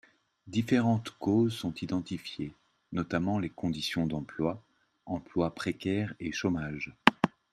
Différentes causes sont identifiées, notamment les conditions d’emploi, emploi précaire et chômage.